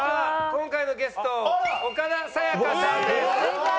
今回のゲスト岡田紗佳さんです。